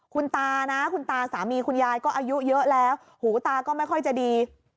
คุณตานะคุณตาสามีคุณยายก็อายุเยอะแล้วหูตาก็ไม่ค่อยจะดี